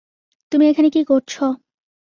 তুমি এখানে কী করছ?